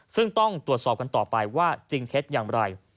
ซึ่งต้องตรวจสอบกันต่อไปว่าจริงเท็จอย่างไร